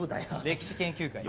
歴史研究会。